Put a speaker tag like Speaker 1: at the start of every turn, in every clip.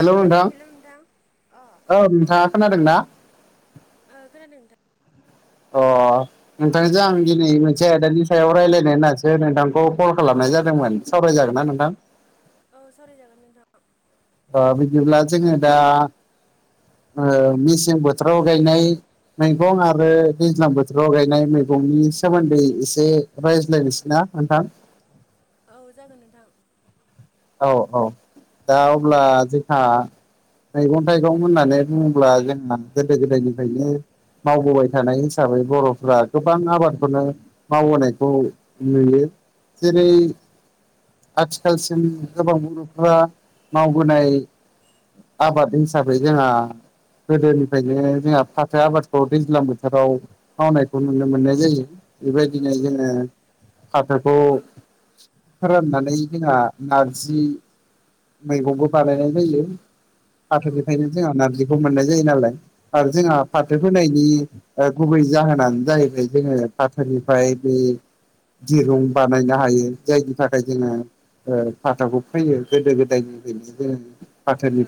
Speaker 1: Hello नोंथां
Speaker 2: अ
Speaker 1: औ नोंथाङा खोनादों ना?
Speaker 2: ओ खोनादो नोंथां।
Speaker 1: अ नोंथांजों आं दिनै मोनसे आयदानि सायाव रायज्लायनो होननासो नोंथांखौ कल खालामनाय जादोंमोन। सावराय जागोन ना नोंथां?
Speaker 2: औ सावरायजागोन नोंथां।
Speaker 1: ओ बिदिब्ला जोङो दा मेसें ओ बोथोराव गायनाय मैगं आरो दैज्लां बोथोराव गायनाय मैगंनि सोमोन्दै एसे रायज्लायनोसै ना नोंथां?
Speaker 2: औ जागोन नोंथां
Speaker 1: औ औ दा अब्ला जोंहा मैगं थाइगं होननानै बुङोब्ला जोंना गोदो गोदायनिफ्रायनो मावबोबाय थानाय हिसाबै बर'फ्रा गोबां आबादखौनो मावबोनायखौ नुयो जेरै आथिखालसिम। गोबां बर'फ्रा मावबोनाय आबाद हिसाबै जोंहा। गोदोनिफ्रायनो जोंहा फाथो आबादखौ दैज्लां बोथोराव। मावनायखौ नुनो मोननाय जायो
Speaker 2: औ
Speaker 1: बेबायदिनो
Speaker 2: औ
Speaker 1: जोङो। फाथोखौ फोराननानै जोंहा नार जि मैगंबो बानायनाय जायो
Speaker 2: औ
Speaker 1: फाथोनिफ्रायनो जोंहा नारजिखौ मोननाय जायो नालाय आरो जोंहा
Speaker 2: उम उम
Speaker 1: फाथो फोनाय बिनि ओ गुबै जाहोनानो जाहैबाय जोङो फाथोनिफ्राय बे दिरुं बानायनो हायो जायनि थाखाय जोङो ओ फाथाखौ फैयो गोदो गोदायनिफ्रायनो जोङो।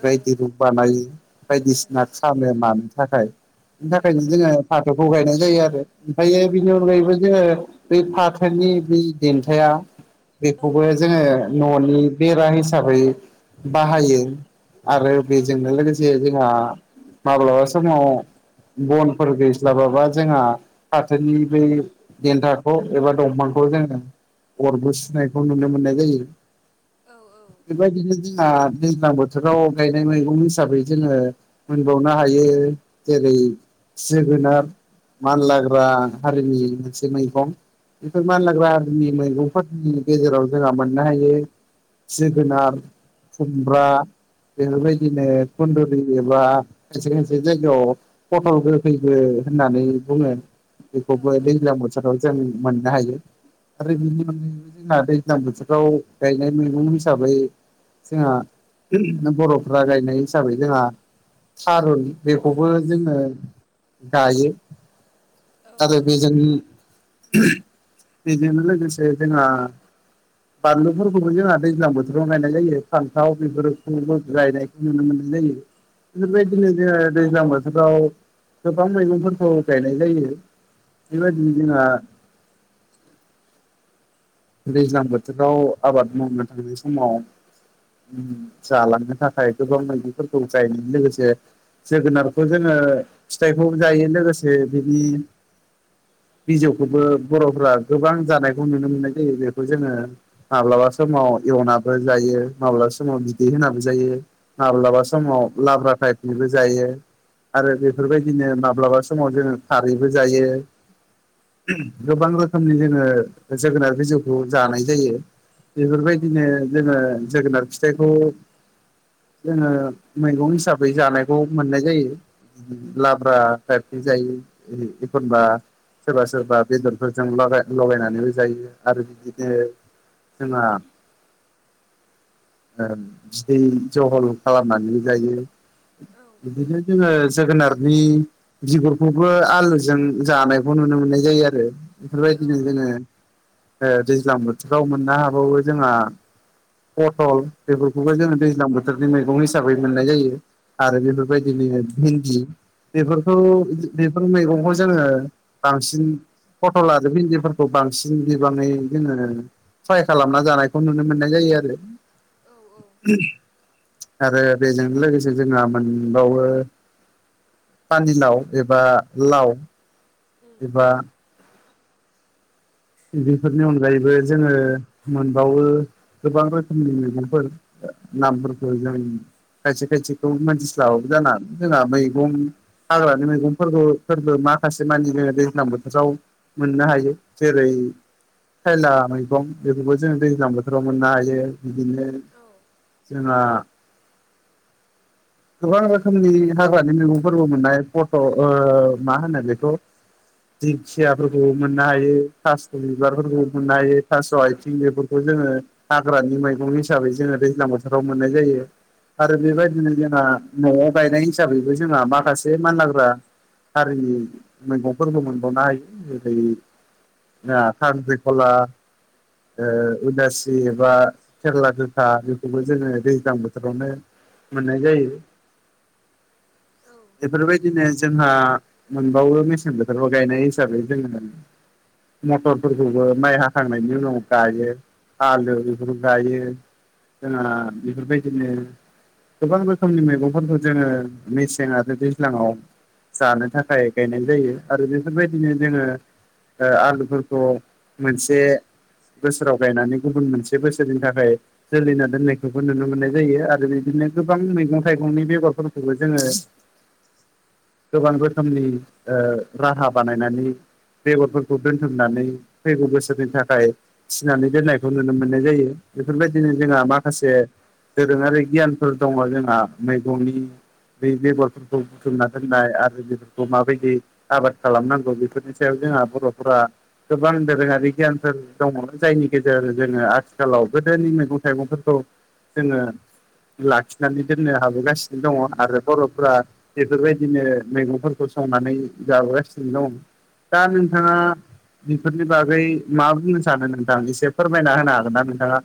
Speaker 2: ओ ओ
Speaker 1: दिरुं बानायो
Speaker 2: ओ
Speaker 1: बायदिसिना
Speaker 2: ओ
Speaker 1: खालामानो थाखाय बिनि थाखायनो जोङो फाथोखौ गायनाय जायो आरो
Speaker 2: औ
Speaker 1: ओमफ्र बिनि अनगायैबो जोङो बै फाथोनि बे देन्थाया
Speaker 2: औ
Speaker 1: बेखौबो जोङो न'नि बेरा हिसाबै बाहायो। आरो बेजोंनो लोगोसे जोंहा माब्लाबा समाव बनफोर गैस्लाबाबा जोंहा फाथोनि बै देन्थाखौ एबा दंफांखौ जोङो अरबो सुनायखौ नुनो मोननाय जायो।
Speaker 2: औ ओ
Speaker 1: बेबायदिनो जोंहा दैज्लां बोथोराव गायनाय मैगं हिसाबै जोङो मोनबावनो हायो जेरै जोगोनार मानलाग्रा हारिनि मोनसे मैगं बेफोर मानलाग्रानि मैगंफोरनि गेजेराव जोंहा मोननो हायो जोगोनार खुमब्रा बेफोरबायदिनो कन्दुरि एबा खायसे खायसे जायगायाव फट'ल गोखैबो होननानै बुङो बेखौबो दैज्लां बोथोराव जों मोननो हायो आरो बेनि जोंहा दैज्लां बोथोराव गायनाय मैगं हिसाबै जोंहा बर'फ्रा गायनाय हिसाबै जोंहा थारुन बेखौबो जोङो गायो।
Speaker 2: औ
Speaker 1: आरो
Speaker 2: औ
Speaker 1: बेजोंनो लोगोसे जोंहा बानलु बेफोरखौबो जोंहा दैज्लां बोथोराव गायनाय जायो फान्थाव बेफोरखौबो गायनायखौ नुनो मोननाय जायो।
Speaker 2: ओं औ
Speaker 1: बेबायदिनो जोङो दैज्लां बोथोराव गोबां मैगंफोरखौ गायनाय जायो। बेबायदिनो जोंहा दैज्लां बोथोराव आबाद मावनो थांनाय समाव जालांनो थाखाय गोबां मैगंफोरखौ जायनायजों लोगोसे जोगोनारखौ जोङो फिथाइखौ जायो लोगोसे बिनि बिजौखोबो बर'फोरा गोबां जानायखौ नुनो मोननाय जायो बेखौ जोङो माब्लाबा समाव एवनाबो जायो माब्लाबा समाव बिदै होनाबो जायो माब्लाबा समाव लाब्रा टाइपनिबो जायो आरो बेफोरबायदिनो माब्लाबा समाव जोङो खारैबो जायो गोबां रोखोमनि जोङो जोगोनार बिजौखौ जानाय जायो बेफोरबायदिनो जोङो जोगोनार फिथाइखौ जोङो मैगं हिसाबै जानायखौ मोननाय जायो लाब्रा टाइपनि जायो एखनबा सोरबा सोरबा बेदरफोरजों लगा लगायनानैबो जायो आरो बिदिनो जोंहा ओ बिदै जहल खालामनानै जायो। बिदिनो जोङो जोगोनारनि बिगरखौबो आलुजों जानायखौ नुनो मोननाय जायो आरो।
Speaker 2: औ
Speaker 1: बेफोरबायदिनो जोङो ओ दैज्लां बोथोराव मोननो हाबावो जोंहा पथल बेफोरखौबो जोङो दैज्लां बोथोरनि मैगं हिसाबै मोननाय जायो। आरो
Speaker 2: औ
Speaker 1: बेफोरबायदिनो भिन्दि बेफोरखौ
Speaker 2: औ
Speaker 1: बेफोर मैगंखौ जोङो बांसिन फट' लाजोब इन्दिफोरखौ बांसिन गोबाङै जोङो फ्राय खालामना जानायखौ नुनो मोननाय जायो आरो।
Speaker 2: औ औ। उम
Speaker 1: [unintelligible] आरो बेजों लोगोसे जोंहा मोनबावो पानिलाव एबा लाव
Speaker 2: औ
Speaker 1: एबा बिफोरनि अनगायैबो जोङो मोनबावो गोबां रोखोमनि मैगंफोर नामफोरखौ जों खायसे खायसेखौ मानथिस्लाबाबो जाना जोंहा मैगं हाग्रानि मैगंफोरबो फोरबो माखासे मानि दैज्लां बोथोराव मोननो हायो। जेरै खायला मैगं बेफोरखौ जों दैज्लां बोथोराव मोननो हायो। बिदिनो जोंहा
Speaker 2: [inaudible]
Speaker 1: गोबां रोखोमनि हाग्रानि मैगंफोरबो मोननाय फट' ओ मा होनो बेखौ दिंखियाफोरबो मोननो हायो थास'
Speaker 2: औ
Speaker 1: बिबारफोरबो मोननो हायो। थास' आइथिं बेफोरखौ जोङो हाग्रानि मैगं हिसाबै जोङो दैज्लां बोथोराव मोननाय जायो। आरो बेबायदिनो जोंहा न'आव गायनाय हिसाबैबो जोंहा माखासे मानलाग्रा हारिनि मैगंफोरबो मोनबावनो हायो जेरै आ खांख्रिखला ओ इलासि एबा खेरला गोखा बेखौबो जोङो दैज्लां बोथोरावनो मोननाय जायो।
Speaker 2: औ
Speaker 1: बेफोरबायदिनो जोंहा मोनबावो मेसें बोथोराव गायनाय हिसाबै जोङो मटरफोरखौबो माइ हाखांनायनि उनाव गायो आलो बेफोरखौ गायो। जोंहा बेफोरबायदिनो गोबां रोखोमनि मैगंफोरखौ जोङो मेसें आरो दैज्लाङाव जानो थाखाय गायनाय जायो आरो बेफोरबायदिनो जोङो ओ आलुफोरखौ मोनसे बोसोराव गायनानै गुबुन मोनसे बोसोरनि थाखाय जोलैना दोननायखौबो नुनो मोननाय जायो आरो बिदिनो गोबां मैगं थाइगंनि बेगरफोरखौबो जोङो
Speaker 2: [inaudible]
Speaker 1: गोबां रोखोमनि ओ राहा बानायनानै बेगरफोर खौ दोनथुमनानै फैगौ बोसोरनि थाखाय थिनानै दोननायखौ नुनो मोननाय जायो। बेफोरबायदिनो
Speaker 2: औ
Speaker 1: जोंहा माखासे दोरोङारि गियानफोर दङ' जोंहा मैगंनि बै बेगरफोरखौ बुथुमना दोननाय आरो बेफोरखौ माबायदि आबाद खालामनांगौ बेफोरनि सायाव जोंहा बर'फोरा गोबां दोरोङारि गियानफोर दङमोन जायनि गेजेरजों जोङो आथिखालाव गोदोनि मैगं थाइगंफोरखौ जोङो लाखिनानै दोननो हाबोगासिनो दङ आरो बर'फोरा बेफोरबायदिनो मैगंफोरखौ संनानै जाबोगासिनो दं दा नोंथाङा बेफोरनि बागै मा बुंनो सानो नोंथां एसे फोरमायना होनो हागोन ना नोंथाङा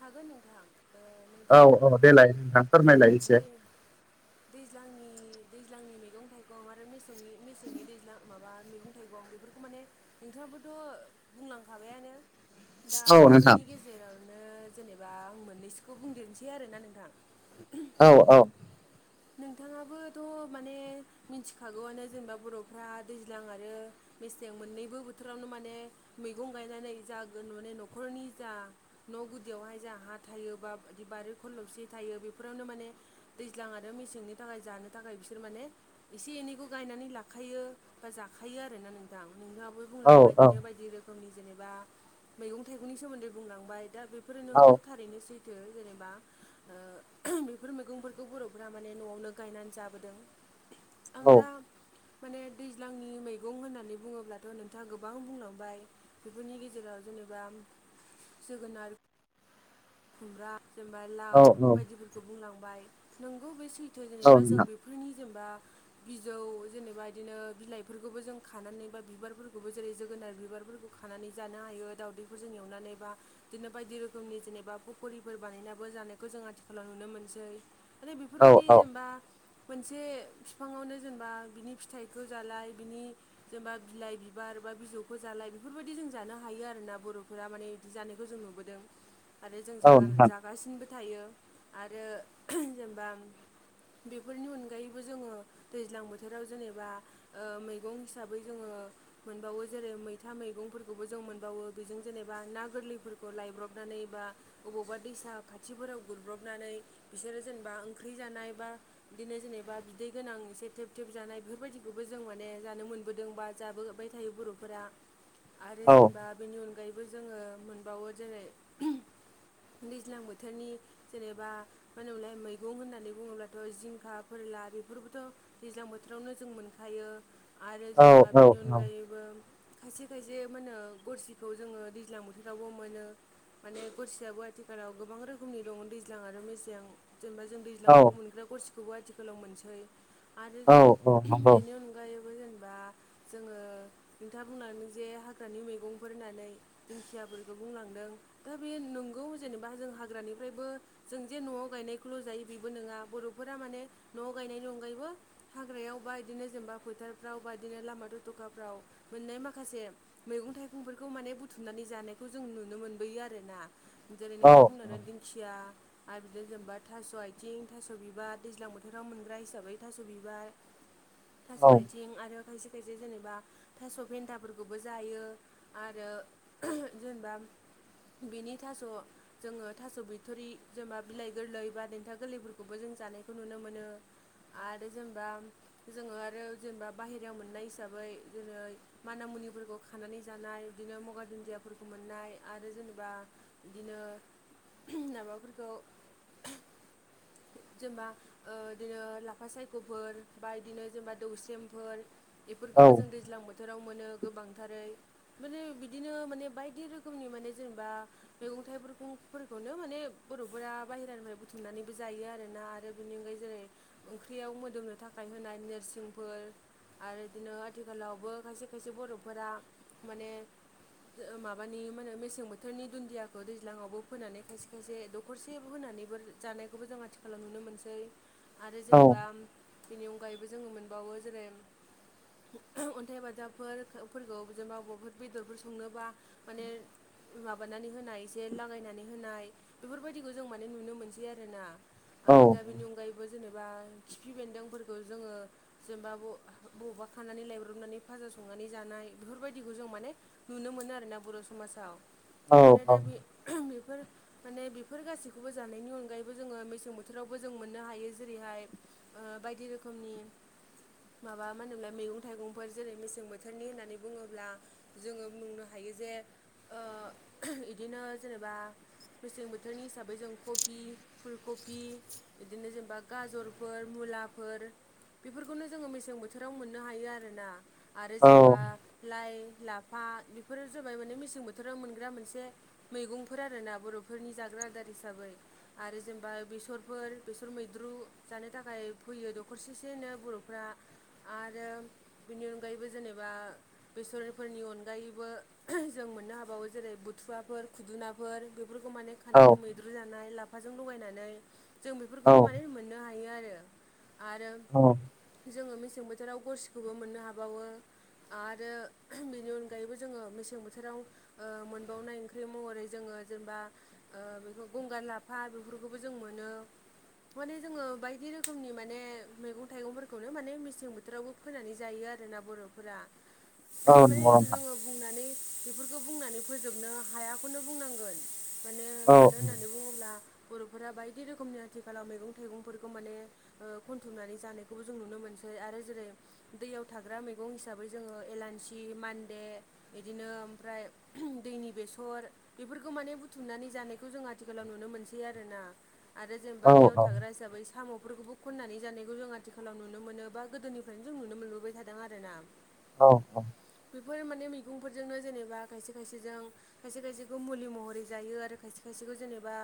Speaker 2: हागोन नोंथां ओ
Speaker 1: औ
Speaker 2: नोंथाङा
Speaker 1: औ
Speaker 2: बुंदों जे
Speaker 1: देलाय नोंथां
Speaker 2: दै
Speaker 1: फोरमायलाय एसे
Speaker 2: दै दैज्लांनि दैज्लांनि मैगं थाइगं आरो मेसेंनि मेसेंनि दैज्लां माबा मैगं थाइगं बेफोरखौ माने नोंथाङाबोथ' बुंलांखाबायानो दा
Speaker 1: औ नोंथां
Speaker 2: बेफोरनि गेजेरावनो जेनेबा आं मोननैसोखौ बुंदेरनोसै आरोना नोंथां।
Speaker 1: औ औ
Speaker 2: नोंथाङाबोथ' माने मिथिखागौआनो जेनेबा बर'फ्रा दैज्लां आरो मेसें मोननैबो बोथोरावनो माने मैगं गायनानै जा गोन माने न'खरनि जा न' गुदियावहाय जों हा थायो बा दि बारि खलबसि थायो बेफोरावनो माने दैज्लां [unintelligible] मेसेंनि थाखाय जानो थाखाय बिसोर माने एसे एनैखौ गायनानै लाखायो बा जाखायो आरोना नोंथां नोंथाङाबो
Speaker 1: औ
Speaker 2: बुंलांबाय इदिनो बायदि रोखोमनि जेनेबा मैंगं थाइगंनि सोमोन्दै बुंलांबाय दा बे फोरो
Speaker 1: औ
Speaker 2: नोंगौ थारैनो सैथो जेनेबा ओ बेफोर मैगंफोरखौ बर' फोरा माने न'आवनो गायनानै जाबोदों आं दा माने दैज्लांनि मैगं होननानै बुङोब्लाथ' नोंथाङा गोबां बुंलांबाय बेफोरनि गेजेराव जेनेबा जोगोनार खुमब्रा जेनेबा
Speaker 1: औ
Speaker 2: लाव बायदिफोरखौ बुंनांबाय नोंगौ बे सैथो जेनेबा जों बे
Speaker 1: नोंथां
Speaker 2: बेफोरनि जेनेबा बिजौ जेनेबा बिदिनो बिलाइफोरखौबो जों खानानै बा बिबारफोरखौबो जेरै जोगोनार बिबारफोरखौ खानानै जानो हायो दावदैफोरजों एवनानै बा बिदिनो बायदि रोखोमनि जेनेबा पकरिफोर बानायनाबो जानायखौ जों आथिखालाव नुनो मोनसै माने
Speaker 1: औ
Speaker 2: बेफोरबायदि
Speaker 1: औ
Speaker 2: जेनेबा मोनसे फिफाङावनो जेनेबा बिनि फिथाइखौ जालाय बिनि जेनेबा बिलाइ बिबार बा बिजौखौ जालाय बेफोरबायदि जों जानो हायो आरो ना बर'फोरा माने जानायखौ जों नुबोदों आरो जों
Speaker 1: औ
Speaker 2: जा
Speaker 1: नोंथां
Speaker 2: जागासिनोबो थायो आरो जेनेबा बेफोरनि अनगायैबो जोङो दैज्लां बोथोराव जेनेबा ओ मैगं हिसाबै जोङो मोनबावो जेरै मैथा मैगंफोरखौबो जों मोनबावो बेजों जेनेबा ना गोरलैफोरखौ लायब्रबनानै बा अबावबा दैसा खाथिफोराव गुरब्रबनानै बिसोरो जेनेबा ओंख्रि जानाय बा बिदिनो जेनेबा बिदै गोनां एसे थेब थेब जानाय बेफोरबायदिखौबो जों माने जानो मोनबोदों बा जाबोबाय थायो बर'फोरा आरो
Speaker 1: औ
Speaker 2: जेनेबा बेनि अनगायैबो जोङो मोनबावो जेरै दैज्लां बोथोरनि जेनेबा मानो होनोमोनलाय मैगं होननानै बुङोब्लाथ' जिंखा फोरला बेफोरबोथ' दैज्लां बोथोरावनो जों मोनखायो आरो
Speaker 1: औ
Speaker 2: जेनेबा बेनि
Speaker 1: औ
Speaker 2: अनगायैबो खायसे खायसे मा होनो गरसिखौ जोङो दैज्लां बोथोरावबो मोनो माने गरसेयाबो आथिखालाव गोबां रोखोमनि दं दैज्लां आरो मेसें जेनेबा जों
Speaker 1: औ
Speaker 2: दैज्लाङावबो मोनग्रा गरसि खौबो आथिखालाव मोनसै आरो
Speaker 1: औ
Speaker 2: जों
Speaker 1: औ नंगौ
Speaker 2: बेनि अनगायैबो जेनेबा जोङो नोंथाङा बुंलांदों जे हाग्रानि मैगंफोर होननानै दिंखियाफोरखौ बुंलांदों दा [unintelligible] नोंगौ जेनेबा जों हाग्रानिफ्रायबो जों जे न'आव गायनायखौल' जायो बेबो नङा बर'फोरा माने न'आव गायनायनि अनगायैबो हाग्रायाव बा इदिनो जेनेबा फोथारफ्राव बा इदिनो लामा थथ'खाफ्राव मोननाय माखासे मैगं थाइगंफोरखौ माने बुथुमनानै जानायखौ जों नुनो मोनबोयो आरो आरोना जेरै
Speaker 1: औ
Speaker 2: नोंथाङा बुंलांदों दिंखिया आरो बिदिनो जेनेबा थास' आथिं थास' बिबार दैज्लां बोथोराव मोनग्रा हिसाबै थास' बिबार थास'
Speaker 1: औ
Speaker 2: आइथिं आरो खायसे खायसे जेनेबा थास' फेनथाफोरखौबो जायो आरो जेनेबा बेनि थास' जोङो थास' बिथ'रि जेनेबा बिलाइ गोरलै बा देेनथा गोरलैफोरखौबो जों जानायखौ नुनो मोनो। आरो जेनेबा जोङो आरो जेनेबा बाहेरायाव मोननाय हिसाबै जेरै माना मुनिफोरखौ खानानै जानाय बिदिनो मगार दुन्दियाफोरखौ मोननाय आरो जेन' बा इदिनो नाबाफोरखौ जेनेबा ओ इदिनो लाफा सायख'फोर बा इदिनो जेनेबा दौसेमफोर
Speaker 1: औ
Speaker 2: इफोरखौबो जों दैज्लां बोथोराव मोनो गोबांथारै। माने बिदिनो माने बायदि रोखोमनि माने जेनेबा मैगं थाइगंफोरखौनो माने बर'फोरा बाहेरानिफ्राय बुथुमनानै बो जायो आरो ना आरो बेनि अनगायै जेरै ओंख्रियाव मोदोमनो थाखाय होनाय नोरसिंफोर आरो इदिनो आथिखालावबो खायसे खायसे बर'फोरा माने माबानि मा होनो मेसें बोथोरनि दुन्दियाखौ दैज्लाङावबो फोनानै खायसे खायसे दख न'खरसे होनानैबो जानायखौबो जों आथिखालाव नुनो मोनसै आरो
Speaker 1: औ
Speaker 2: जेनेबा बिनि अनगायैबो जोङो मोनबावो जेरै अन्थाइ बाजाबफोरफोरखौ जेनबा अबावबाफोर बेदरफोर संनोबा माने माबानानै होनाय एसे लागायनानै होनाय बेफोरबायदिखौ जों माने नुनो मोनसै आरो। आरोना आरो दा बेनि अनगायैबो जेनेबा खिफि बेन्दोंफोरखौ जोङो जेनेबा ब बबावबा खानानै लायब्रबनानै फाजा संनानै जानाय बेफोरबायदिखौ जों माने नुनो मोनो आरोना बर' समाजाव। आरो दा बे बेफोर माने बेफोर गासैखौबो जानायनि अनगायै बो जोङो मेसें बोथोरावबो जों मोननो हायो जेरैहाय ओ बायदि रोखोमनि माबा मा होनोमोनलाय मैगं थाइगंफोर जेरै मेसें बोथोरनि होननानै बुङोब्ला जोङो बुंनो हायो जे ओ इदिनो जेनेबा मेसें बोथोरनि हिसाबै जों कफी फुलकफी इदिनो जेनेबा गाजरफोर मुलाफोर बेफोरखौनो जोङो मेसें बोथोराव मोननो हायो आरोना आरो जेनेबा लाइ लाफा बेफोरो जाबाय माने मेसें बोथोराव मोनग्रा मोनसे मैगंफोर आरोना बर'फोरनि जाग्रा आदार हिसाबै। आरो जेनेबा बेसरफोर बेसर मैद्रु जानो थाखाय फोयो दखरसेसेनो बर'फ्रा। आरो बेनि अनगायैबो जेनेबा बेसरफोरनि अनगायैबो जों मोननो हाबावो जेरै बुथुवाफोर खुदुनाफोर बेफोरखौ माने
Speaker 1: औ
Speaker 2: खानानै मैद्रु जानाय लाफाजों लगायनानै जों
Speaker 1: औ
Speaker 2: बेफोरखौबो माने मोननो हायो आरो। आरो
Speaker 1: औ
Speaker 2: जोङो मेसें बोथोराव गरसिखौबो मोननो हाबावो। आरो बेनि अनगायैबो जोङो मेसें बोथोराव ओ मोनबावनाय ओंख्रि महरै जोङो जेनेबा ओ बेखौ गंगार लाफ फा बेफोरखौबो जों मोनो। माने जोङो बायदि रोखोमनि माने मैगं थाइगंफोरखौनो माने मेसें बोथोरावबो फोनानै जायो आरोना बर'फोरा।
Speaker 1: औ
Speaker 2: माने
Speaker 1: नंगौ नोंथां
Speaker 2: जोङो बुंनानै बेफोरखौ बुंनानै फोजोबनो हायाखौनो बुंनांगोन। मानो
Speaker 1: औ
Speaker 2: मानो होननानै बुङोब्ला बर'फोरा बायदि रोखोमनि आथिखालाव मैगं थाइगंफोरखौ माने ओ खनथुमनानै जानायखौबो जों नुनो मोनसै आरो जेरै दैयाव थाग्रा मैगं हिसाबै जोङो एलान्सि, मान्दे इदिनो ओमफ्राय दैनि बेसर बेफोरखौ माने बुथुमनानै जानायखौ जों आथिखालाव नुनो मोनसै। बे आरोना आरो जेनेबा
Speaker 1: औ
Speaker 2: दैयाव थाग्रा हिसाबै साम'फोरखौबो खननानै जानायखौ जों आथिखालाव नुनो मोनो बा गोदोनिफ्रायनो जों नुनो मोनबोबाय थादों आरोना।
Speaker 1: औ औ
Speaker 2: बेफोर माने मैगंफोरजोंनो जेनेबा खायसे खायसेजों खायसे-खायसेखौ मुलि महरै जायो आरो खायसे-खायसेखौ जेनेबा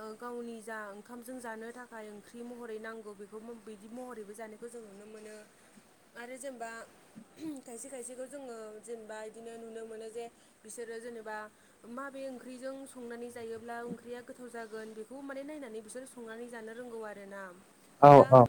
Speaker 2: ओ गावनि जा ओंखामजों जानो थाखाय ओंख्रि महरै नांगौ बेखौबो बिदि महरैबो जानो खौ जों नुनो मोनो आरो जेनेबा खायसे-खायसेखौ जोङो जेनेबा बिदिनो नुनो मोनो जे बिसोरो जेनेबा माबे ओंख्रिजों संनानै जायोब्ला ओंख्रिया गोथाव जागोन गोन बेखौ माने नायनानै बिसोर संनानै जानो रोंगौ आरोना।
Speaker 1: औ
Speaker 2: दा
Speaker 1: औ